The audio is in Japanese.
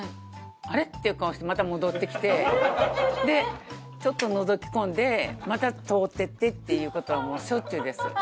あれ？っていう顔してまた戻って来てでちょっとのぞき込んでまた通っていってっていう事はしょっちゅうです。